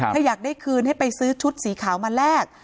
ถ้าอยากได้คืนให้ไปซื้อชุดสีขาวมาแลก